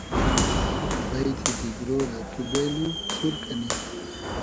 بݷتی دیگرۉ رۂ تو بېلو ، سور کئنی